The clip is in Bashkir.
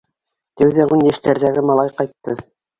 Тәүҙә ун йәштәрҙәге малай ҡайтты.